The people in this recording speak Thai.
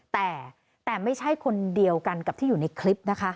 แต่แต่ไม่ใช่คนเดียวกันกับที่อยู่ในคลิปนะคะ